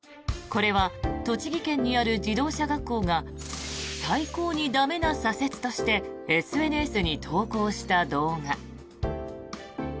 これは栃木県にある自動車学校が「最高にだめな左折」としてＳＮＳに投稿した動画。